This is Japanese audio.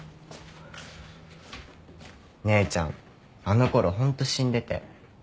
姉ちゃんあのころホント死んでて。